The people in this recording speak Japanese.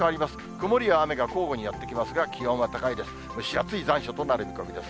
曇りや雨が交互にやって来ますが、気温は高いです。